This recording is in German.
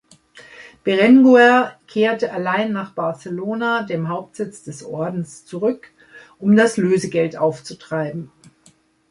Berenguer kehrte allein nach Barcelona, dem Hauptsitz des Ordens, zurück, um das Lösegeld aufzutreiben.